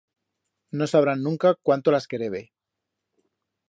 No sabrán nunca cuánto las querebe.